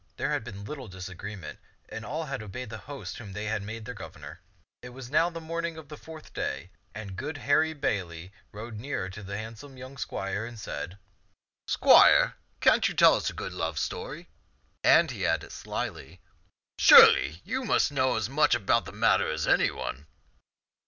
There had been little disagreement, and all had obeyed the host whom they had made their governor. It was now the morning of the fourth day, and good Harry Bailey rode nearer to the handsome young squire and said, "Squire, can't you tell us a good love story ?" and he added slyly, " Surely, you must know as much about the matter as any one.'